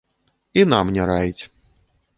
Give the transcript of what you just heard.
І нам не раіць.